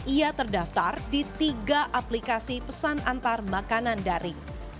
ia terdaftar di tiga aplikasi pesan antar makanan daring